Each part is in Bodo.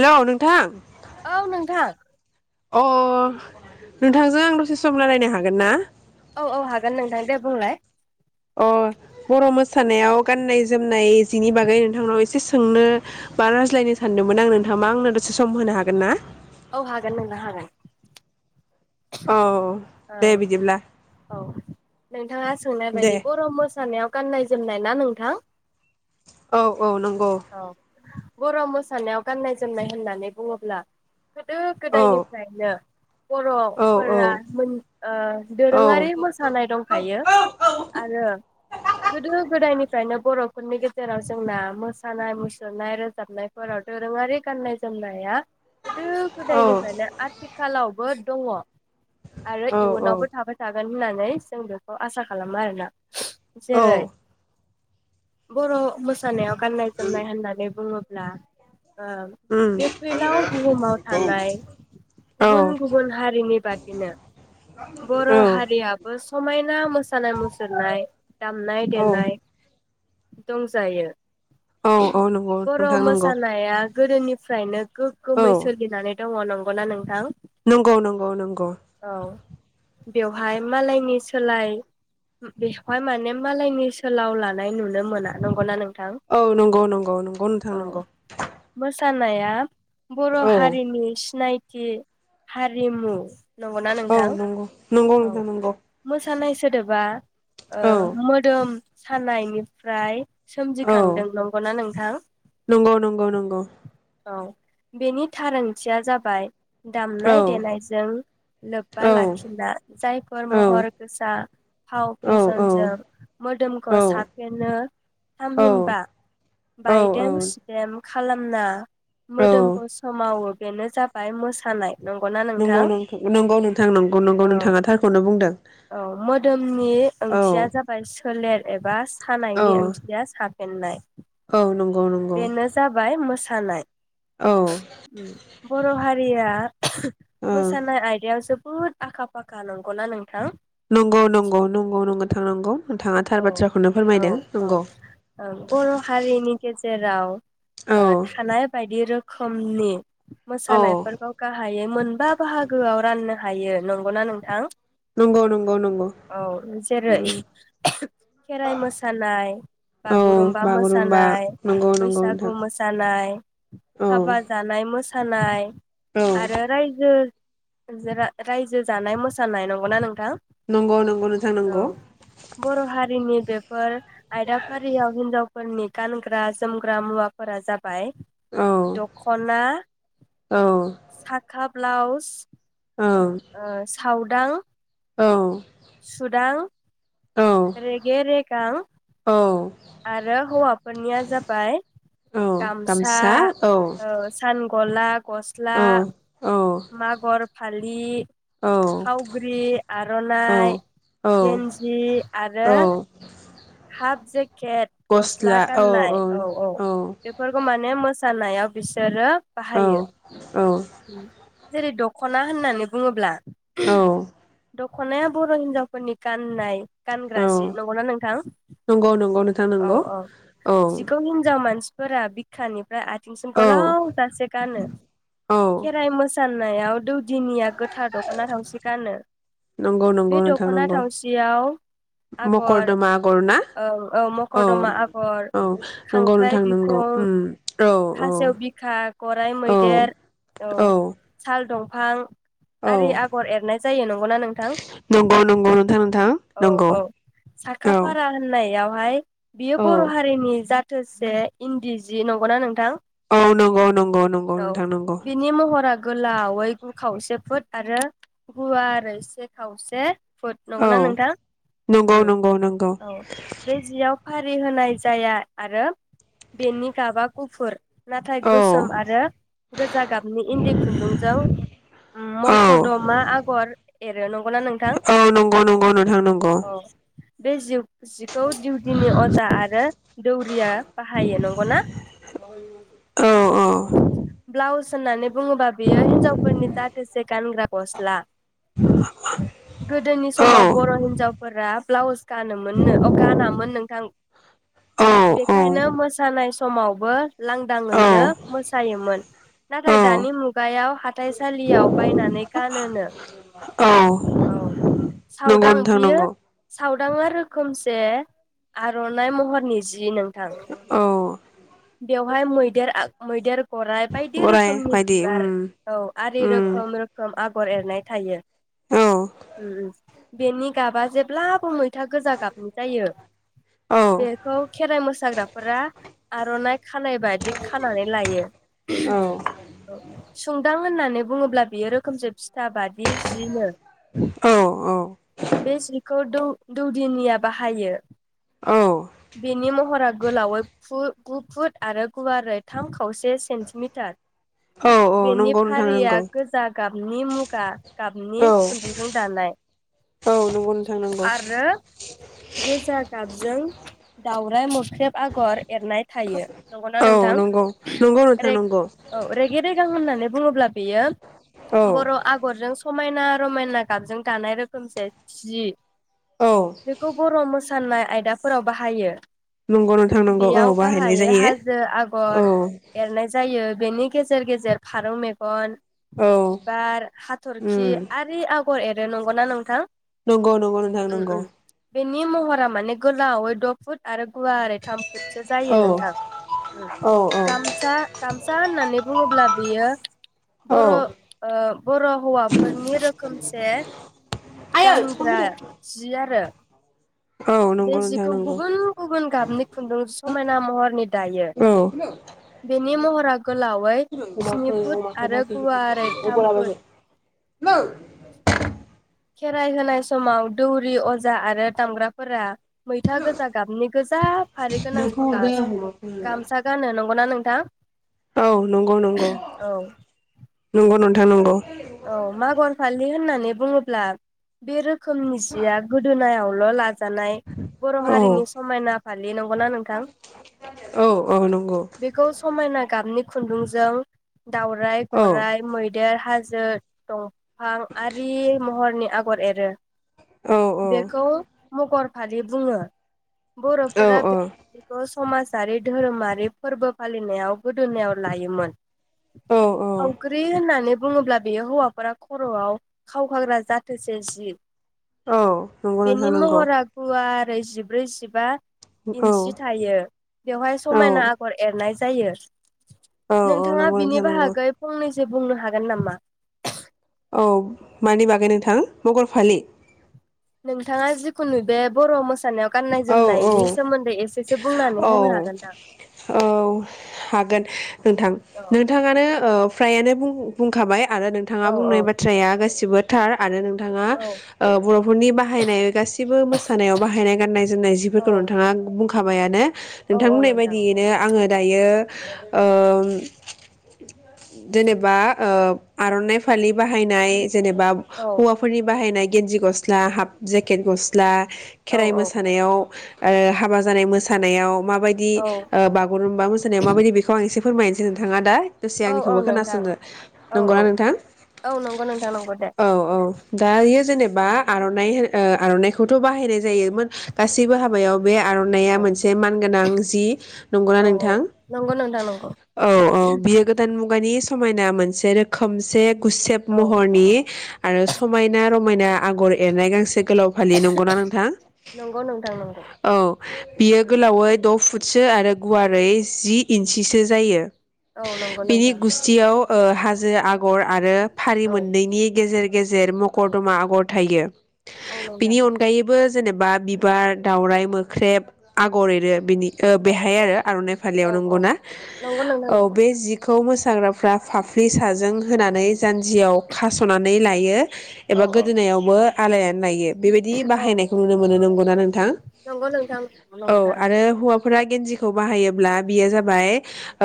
हेल' नोंथां। औ नोंथां अ नोंथांजों आं दसे सम रायलायनो हागोन ना। औ औ हागोन नोंथां दे बुंलबाय। अ बर' मोसानायाव गान्नाय जोमनाय जिनि बागै नोंथांनाव एसे सोंनो बा रायज्लायनो सानदोंमोन आं नोंथां मा आंनो दसे सम होनो हागोन ना। औ हागोन नोंना हागोन। औ औ दे बिदिब्ला औ नोंथाङा सोंनाय दे बायदि बर' मोसानायाव गाननाय। जोमनाय ना नोंथां। औ औ नंगौ। औ बर' मोसानायाव गाननाय जोमनाय होननानै बुङोब्ला। गोदो औ गोदायनिफ्रायनो। बर'। औ फोर औ औ दोरोङारि मोसानाय औ दंखायो आरो गोदो गोदायनिफ्रायनो बर'फोरनि गेजेराव जोंना मोसानाय मुसुरनाय रोजाबनायफोराव दोरोङारि गाननाय जोमनाया गोदो गोदायनिफ्रायनो आथिखालावबो दङ। आरो औ औ इयुनावबो थाबाय थाग हागोन होननानै जों बेखौ आसा खालामो आरोना। जेरै बर' मोसानायाव गाननाय जोमनाय होननानै बुङो ब्ला। ओ उम बे फैलाव बुहुमाव थानाय औ गुबुन गुबुन हारिनि बर' औ हारियाबो समायना मो मोसानाय मुसुरनाय दामनाय देनाय औ दंजायो औ औ नंगौ नोंथां नंगौ फ्रायनो औ गोगोमै सोलिनानै दङ नं नंगौना नोंथां नंगौ नंगौ औ नंगौ औ बेवहाय मालायनि सोलाय बेखौहाय माने मालायनि सोलाय लानाय नुनो मोना नंगौना नों औ नंगौ नंगौ नंगौ नोंथां नंगौ सानाया बर' औ हारिनि सिनाय थि हारिमु नंगौना औ नोंथां नंगौ नंगौ औ नोंथां नंगौ मोसानाय सोदोबा ओ औ मोदोम सानायनिफ्राय औ सोमजिखांदों नंगौना नोंथां नंगौ नंगौ नंगौ औ बेनि थार ओंथिया जाबाय औ दामनाय देनायजों लोब्बा औ लाखिना जायफोर औ महर गोसा फाव औ औ फेशनजों मोदोमखौ साफेनो औ थामहिनबा औ बायदेम सुदेम खालामना औ मोदोमखौ सोमावो बेनो जाबाय मोसानाय नंगौना नोंथां नंगौ नोंथां नंगौ नंगौ औ नोंथाङा थारखौनो बुंदों औ मोदोमनि औ ओंथिया जाबाय सोलेर एबास औ खानायनि ओंथिया साब फेननाय औ नंगौ। नंगौ बेनो जाबाय मोसा सानाय औ। बर' हारिया ओ मोसानाय आइदायाव जोब बोद आखा फाखा नंगौना नोंथां? नंगौ नंगौ नंगौ नंगौ थांनांगौ। औ औ औ ओं बर' हारिनि गेजेराव। औ राव ओ थानाय बायदि रो खोमनि औ मोसानायफोरखौ गाहायै मोनबा बाहागोआव राननो हायो नं नंगौना नोंथां? नंगौ नंगौ नंगौ। औ जेरै खेराइ मोसानाय औ बागुरुमबा बागुरुम्बा मोसानाय नंगौ नंगौ नोंथां बैसागु मोसानाय औ हाबा जानाय मोसानाय औ आरो रायजो जारा रायजो जानाय मोसानाय नंगौना नों नंगौ नंगौ नोथां नंगौ। बर' हारिनि बेफोर आयदाफारियाव हिनजावफोरनि गानग्रा जोमग्रा मुवाफोरा जा बाय औ दखना औ साख ब्लाउस औ ओ साव दां औ। औ रेगे रेगां। औ आरो हौवाफोरनिया जाबाय औ गामसा औ ओ सान गलाब गस्ला औ औ मागुर फालि औ फावग्रि औ आर'नाइ औ गेन्जि आरो औ हा जे केत गस्ला गाननाय औ औ बेफोरखौ माने मो मोसानायाव बिसोरो औ बाहायो औ । जेरै दख'ना होननानै बुङोब्ला औ खनाया बर' हिनजावफोरनि गाननाय औ गानग्रा जि नंगौना नोंथां? थां औ नंगौ औ औ जिखौ हिनजाव मानसिफोरा बिखानिफ्राय आ थिंसिम औ गोलाव जासे गानो औ खेराइ मोसा नायाव दौ दिनिया गोथार दख'ना थावसि गानो नंगौ नंगौ बे नोंथां दख'ना नंगौ थावसियाव आगर मकरदमा आगर ना ओं औ औ मखरदमा आगर औ नंगौ खांख्राइ नों नंगौ बिखं उम औ औ खासेव बिखा गराइ औ मैदेर औ साल दं फां आरि औ आगर एरनाय जायो नंगौना नोंथां नंगौ नंगौ नोंथां नोंथां औ नंगौ औ साखा औ फारा होननायाव ओमफाय बियो बर औ हारिनि जा थोसे इन्दि जि नंगौना नों औ नंगौ नंगौ नंगौ नोंथां नंगौ बिनि महरा गोलावै गु खावसे फुट आरो गुवारै से खावसे फुद औ नंगौना नोंथां नंगौ उ नंगौ नंगौ औ बे जियाव फारि होनाय जाया आरो बेनि गाबा गुफुर नाथाय औ गोसोम आरो गोजा गाबनि इन्दि खुन्दुंजों औ मरख दमा आगर एरो नं औ नंगौ नंगौ नोंथां नंगौ औ बे जिउ जिखौ दिउदिनि अजा आरो- दौरिया बाहायो नंगौना? औ औ ब्लाउस होननानै बुङोबा बियो हिनजावफोरनि जाथोसे गानग्रा गस्ला गोदोनि औ समाव बर हिनजावफोरा ब्लाउस गानोमोननो अ गानामोन नोंथां। औ बेखायनो मोसानाय स समाव बो औ लांदांङैनो मोसायोमोन औ नाथाय दानि मुगायाव हाथाइसालियाव बायनानै गानोनो औ औ नंगौ साउदां नोंथां बियो नंगौ साउ दांङा रोखोमसे आरनाइ महरनि जि नोंथां औ बेवहाय मैदेर आग मैदेर गराइ बायदि गराय रोखोमनि बायदि उम बिबार औ आरि उम रोखोम रोखोम आ खर एरनाय थायो औ उ उ बेनि गाबा जेब्ला मै फोथा गोजा गाबनि जायो औ बेखौ खेराइ मोसाग्राफोरा आरनाइ खानाय बाददि खानानै लायो औ उम सुंदां होननानै बुङोब्ला बियो रोखोमजों फिथा बादि जिनो औ औ बे सिखौ दौ दौदिनिया बाहायो। औ बेनि महरा गोलावै फु गुफुट आरो गुवारै थाम खावसे सेन्टिमिटार। औ औ बेनि नंगौ नोंथां फारिया नंगौ गोजा गाबनि मुगा औ गाबनि खुन्दुंजों दानाय औ नंगौ नोंथां नंगौ आरो गोजा गाबजों दाावराइ मोथ ख्रेब आगर एरनाय थायो नंगौना नोंथां औ नंगौ नंगौ नोंथां रे नंगौ औ रेगे रेगां होननानै बुङोब्ला बेयो औ बर आगरजों समायना रमायना गाबजों दानाय रोखोमस सि। औ बेखौ बर मोस मोसानाय आयदाफोराव बाहायो। नंगौ नोंथां। नंगौ औ बेयाव बाहायनाय गाहायै जायो हाजो आगर औ एरनाय जायो बेनि गेजेर गेजेर फारौ मेगन औ बिबार हाथरखि उम आरि आ गर एरो नगौ ना नोंथां? नंगौ नंगौ नोंथां उम नंगौ। उम बेनि महरा माने गोलावै द फुट आरो गुवारै सो जायो औ नोंथां औ औ गामसा गामसा होननानै बुङोब्ला बेयो औ बर ओ बर हौवाफोरनि रोखोमसे आयै बिफां गानग्रा फैदो जि आरो। औ बे नंगौ नोंथां जिखौ नंगौ गुबुन गुबुन गाबनि खुन्दुं समायना महरनि दायो औ बेनि महरा गोलावै अमाखौ स्नि फुट अमाखौ आरो बाजै गुवारै थाम अबोला फुट। बाजै औ खेराइ होनाय समाव दौरि अजा आरो दामग्राफोरा मैथा गोजा गाबनि गोजा फारि गोनां सगास गामसा गाननो नंगौना नों दा औ नंगौ नंगौ। नंगौ नोंथां नंगौ। औ मा गर फालि होननानै बुङोब्ला बे रोखोमनि सिया गोदोनायावल लाजानाय। बर औ हारिनि समायना फालि नंगौना नोंथां? औ औ नंगौ बेखौ समायना गाबनि खुन्दुंजों दाउराय, औ गराइ, मैदेर, हाजो जो दंफां आरि महरनि आगर एरो औ औ बेखौ मगर फालि बुङो औ बर'फोरा बे समाजारि धोरोमारि फोरबो फालिनायाव गोदोनायाव लायोमोन औ फावख्रि होननानै बुङोब्ला बे हौवाफोरा खर'आव खावखाग्रा जाथोसे सि औ नंगौ नोंथां नंगौ ओमफ्राय जिब्रै, जिबा औ इन्सि थायो बेवहाय समायना आगर एरनाय जायो औ जायो औ नोंथाङा नंगौ बिनि नोंथां नंगौ बाहागै फंनैसो बुंनो हागोन नामा जे औ मानि बागै नोंथां मगर फालि नोंथाङा जिखुनु बे बर' मोसानायाव गाननाय औ औ जोमनायनि सोमोन्दै एसेसो बुंनानै औ होनो हागोन दा? औ हागोन नोंथां औ नोंथाङानो ओ फ्रायानो बुं बुंखाबाय आरो नोंथाङा औ बुंनाय बाथ्राया गासिबो थार आरो नंगौ नोंथाङा औ ओ बर'फोरनि बाहायनाय गासिबो मोसानायाव बाहायनाय गाननाय जो जिफोरखौ औ नोंथाङा बुंखाबायानो औ नोंथां औ बुंनाय बायदियैनो आङो दायो ओ जेनेबा ओ आर'नाइ फालि बाहायनाय जेनेबा औ हौवाफोरनि बाहायनाय गेन्जि गस्ला हाफ जेकेट गस्ला औ औ याव ओ हाबा जानाय मोसानायाव माबायदि औ ओ बागुरुमबा मोसानायाव माबायदि बेखौ आं एसे फोरमायनोसै नोंथाङा दा दसे औ औ आंनिखौबो नोंथां खोनासंगोन औ औ नंगौना नोंथां औ नंगौ नोंथां नंगौ दे औ औ दा इयो जेनेबा आर'नाइ हो ओ आर'नाइखौथ' बाहायनाय जायोमोन गासैबो हाबायाव बे औ आर'नाइआ मोनसे मानगोनां जि नंगौना औ औ नोंथां नंगौ नोंथां नंगौ औ औ बे गोदान मुगानि समायना मोनसे रोखोमसे गुसेब औ महरनि आरो समायना रमायना आगर एरनाय गांसे गोलाव फालि नंगौना नोंथां नंगौ नोंथां नंगौ औ बियो गोलावै द' फुटसो आरो गुवारै जि इन्सिसो जायो औ नंगौ बिनि नोंथां गुस्थियाव ओ हाजो आगर आरो ओ फारि औ मोननैनि गेजेर गेजेर औ मकरदमा आगर थायो औ नोंथां बिनि अनगायैबो जेनेबा बि बिबार दावराइ मोख्रेब आगर एरो बिनि ओ औ बेहाय औ आरो आर'नाइ फालियाव औ औ नंगौना नंगौ नोंथां औ नंगौ बे जिखौ मो हाग्राफ्रा फाफ्लि साजों होनानै जानजियाव खास'नानै लायो औ एबा औ गोदोनायावबो आलायनानै लायो बेबायदि औ बाहायनायखौ नुनो मोनो नोंगौ नोंथां नंगौ नोंथां औ आरो नंथारगौ हौवाफोरा गेन्जिखौ बाहायोब्ला बियो जाबाय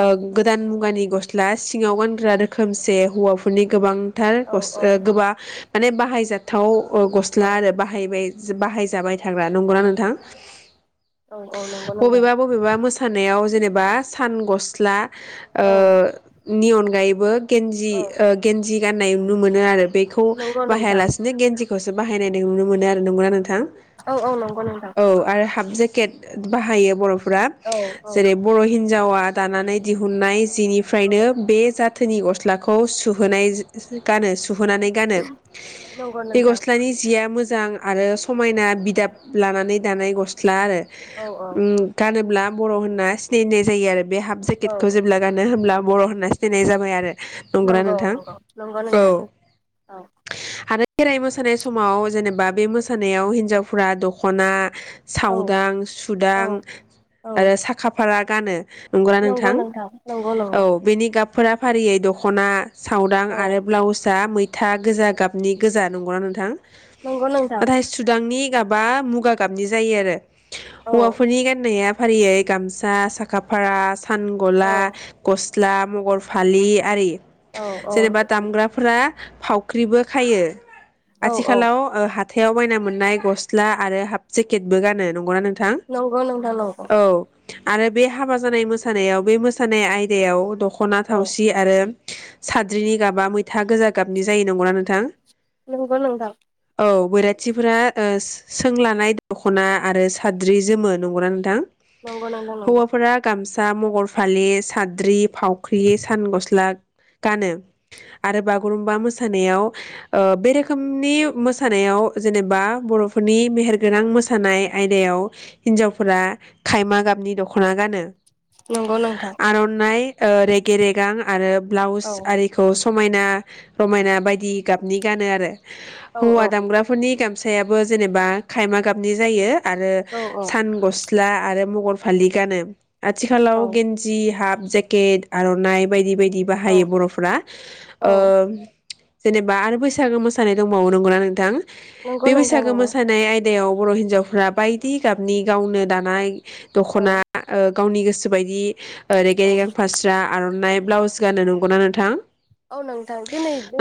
ओ गोदान मुगानि गस्ला सिङाव गानग्रा रोखोमसे हौवाफोरनि गोबां थार औ गस औ गोबा माने बाहायजाथाव अ गस्ला औ आरो बाहायबाय जो बाहायजाबाय जाग्रा नंगौना नोंथां? औ औ नंगौ नोंथां बबेबा बबेबा मोसानायाव जेनेबा सान गस्ला ओ औ नि अनगायैबो गेन्जि औ ओ गेन्जि गाननाय नुनो मोनो आरो बेखौ नंगौ नोंथां बाहायालासेनो गेन्जि खौसो बाहायनाय नुनो मोनो आरो नंगौना नोंथां औ औ नंगौ नोंथां औ आरो हाफ जेकेट बाहायो बर' फ्रा औ औ जेरै बर' हिनजावा दानानै दिहुननाय जिनिफ्रायनो औ बे जा थोनि गस्लाखौ सुहोनाय जा गानो सुहोननानै गानो नंगौ बे नोंथां गस्लानि जिया मो जां आरो समायना बि दाब लानानै दानाय गस्ला आरो औ औ ओम गानोब्ला बर' होनना सिनायनाय जायो आरो बे हाफ औ जेकेटखौ जेब्ला गानो हब्ला बर' होनना सिनायनाय जाबाय आरो नंगौ ना नोंथां? नंगौ नंगौ औ नोंथां औ आरो खेराइ मोसानाय समाव जेनेबा बे मोसानायाव हिनजाव फोरा दख'ना औ सावदां औ सुदां औ आरो साखा फारा गानो नंगौना नंगौ नोंथां? नंगौ नंगौ औ बेनि गाबफोरा फारियै दख'ना सावदां औ आरो ब्लाउसआ मै था गोजा गाबनि गोजा नंगौना नोंथां? नंगौ नोंथां नाथाय सुदांनि गाबा मुगा गाबनि जायो आरो औ हौवाफोरनि गाननाया फारियै गामसा साखा फारा औ सानगला गस स्ला मगर फालि आरि औ जेनेबा दामग्राफोरा फावख्रिबो खायो । औ औ आथिखालाव ओ हा थायाव बायना मोननाय ग स्ला आरो हाफ जेकेटबो गानो नंगौना नोंथां? नंगौ नोंथां नंगौ । औ आरो बे हाबा जानाय मोसानायाव बे मोसानाय आयदायाव दख' खना औ थावसि आरो साद्रिनि गाबा मैथा गोजा गाबनि जायो नंगौना नोंथां? नोंगौ नोंथां । औ बैराथिफोरा ओ सोंलानाय दख'ना आरो साद्रि जोमो नंगौना नोंथां? नंगौ नोंथां नंगौ हौवाफोरा गामसा सा मगर फालि साद्रि फावख्रि सान गस्ला गानो आरो बागुरुम्बा मोसानायाव ओ बे रोखोमनि मोसानायाव जेनेबा बर' फोरनि मेहेरगोनां मोसानाय आयदायाव हिन्जावफोरा खायमा गाबनि दख'ना गानो । नंगौ नोंथां । रेगे रेगां आरो ब्लाउस आरिखौ समायना रमायना बायदि गाबनि गानो आरो औ । हौवा औ दामग्राफोरनि गाम सायाबो जेनेबा खायमा गाबनि जायो । आरो औ सान गस्ला आरो मगर फालि गानो । आथिखालाव औ गेन्जि हाब जेकेट आर'नाइ बायदि बायदि औ बाहायो बर'फोरा औ ओ जेनेबा आरो बैसागो मोसानाय दंबावो नंगौना नोंथां? नंगौ बे नों बैसागो मोसानाय आय दायाव बर' हिन्जावफ्रा बायदि गाबनि गावनो दानाय औ दख'ना ओ गावनि गोसोबायदि ओ रेगें औ रेगें फास्रा आरन नाय ब्लाउस गाननो नंगौना नोंथां? औ नोंथां दिनैे